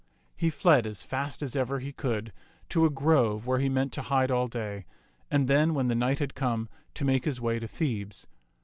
He fled as fast as ever he could to a grove where he meant to hide all day, and then, when the night had come, to make his way to Thebes.